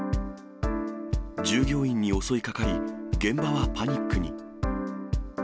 従業員に襲いかかり、現場はパニックに。